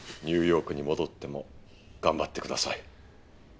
ニューヨークに戻っても頑張ってください。